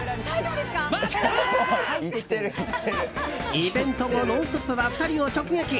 イベント後「ノンストップ！」は２人を直撃。